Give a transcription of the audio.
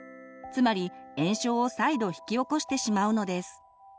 つまり炎症を再度引き起こしてしまうのです。